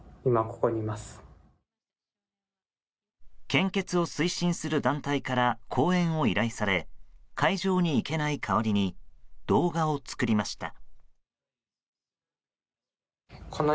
献血を推進する団体から講演を依頼され会場に行けない代わりに動画を作りました。